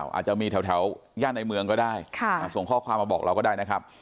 อาจจะมีแถวย่านในเมืองก็ได้ส่งข้อความมาบอกเราก็ได้นะครับ